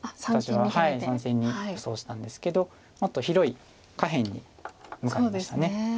３線に予想したんですけどもっと広い下辺に向かいました。